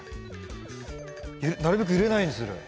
なるべく揺れないようにする。